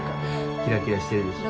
キラキラしてるでしょ。